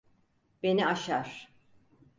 Beni aşar.